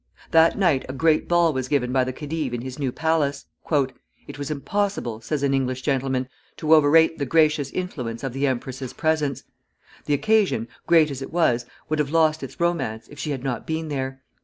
That night a great ball was given by the khedive in his new palace. "It was impossible," says an English gentleman, "to overrate the gracious influence of the empress's presence. The occasion, great as it was, would have lost its romance if she had not been there.